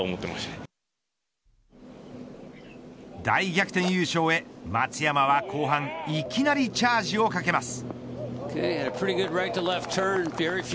大逆転優勝へ、松山は後半いきなりチャージをかけます。